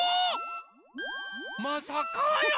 まさかや！